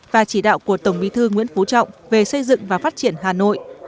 và chỉ đạo của tổng bí thư nguyễn phú trọng về xây dựng và phát triển hà nội